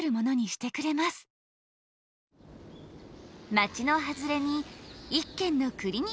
街の外れに一軒のクリニックがある。